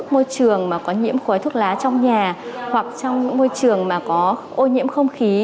môi trường có nhiễm khói thuốc lá trong nhà hoặc trong môi trường có ô nhiễm không khí